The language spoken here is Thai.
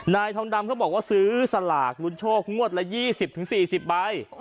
อ๋อนายทองดำก็บอกว่าซื้อสลากรุนโชคงวดละยี่สิบถึงสี่สิบใบ